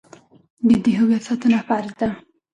د دې هویت ساتنه فرض ده.